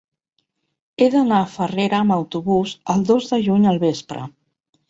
He d'anar a Farrera amb autobús el dos de juny al vespre.